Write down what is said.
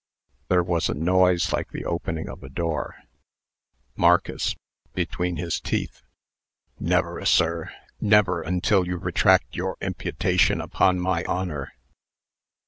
There was a noise like the opening of a door. MARCUS (between his teeth). "Never, sir. Never, until you retract your imputation upon my honor."